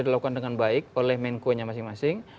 dilakukan dengan baik oleh menkuenya masing masing